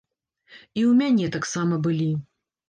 І ў мяне таксама былі.